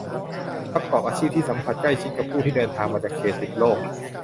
ประกอบอาชีพที่สัมผัสใกล้ชิดกับผู้ที่เดินทางมาจากเขตติดโรค